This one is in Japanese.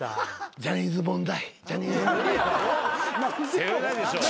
ジャニーズ問題。